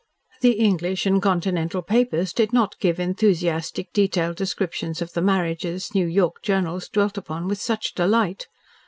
The English and Continental papers did not give enthusiastic, detailed descriptions of the marriages New York journals dwelt upon with such delight.